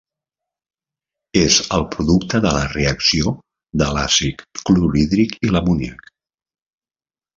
És el producte de la reacció de l'àcid clorhídric i l'amoníac.